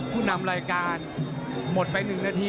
ผู้นำรายการหมดไป๑นาที